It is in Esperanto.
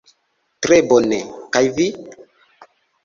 Tre bone; kaj vi?